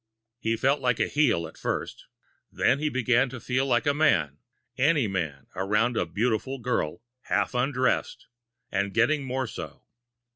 He felt like a heel at first. And then he began to feel like a man any man around a beautiful girl half undressed, and getting more so.